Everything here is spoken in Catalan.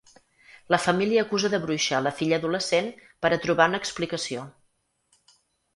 La família acusa de bruixa a la filla adolescent per a trobar una explicació.